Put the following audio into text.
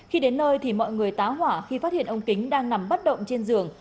khi đến nơi mọi người tá hỏa khi phát hiện ông kính đang nằm bắt động trên giường